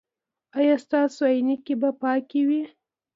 ایا ستاسو عینکې به پاکې وي؟